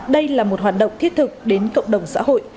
đây là một hoạt động thiết thực đến cộng đồng xã hội